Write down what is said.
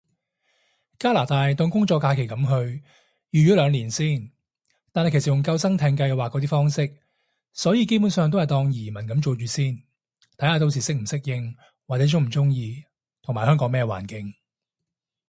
加拿大，當工作假期噉去，預住兩年先，但係其實係用救生艇計劃嗰啲方式，所以基本上都係當移民噉做住先，睇下到時適唔適應，或者中唔中意，同埋香港咩環境